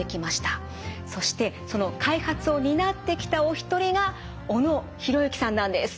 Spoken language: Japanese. そしてその開発を担ってきたお一人が小野裕之さんなんです。